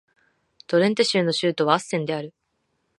ドレンテ州の州都はアッセンである